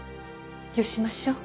よしましょう。